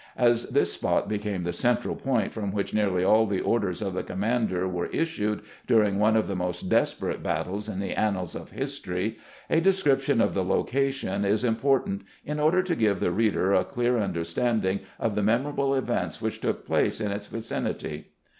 As this spot became the central point from which nearly all the orders of the commander were issued during one of the most desperate battles in the annals of history, a description of the location is impor tant, in order to give the reader a clear understand ing of the memorable events which took place ia its vicinity.